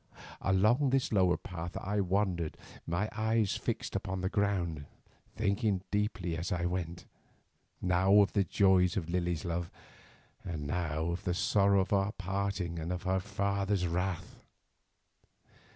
Along this lower path I wandered, my eyes fixed upon the ground, thinking deeply as I went, now of the joy of Lily's love, and now of the sorrow of our parting and of her father's wrath.